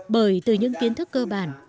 bởi từ những kiến thức cơ bản